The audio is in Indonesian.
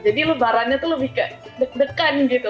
jadi lebarannya tuh lebih ke deg degan gitu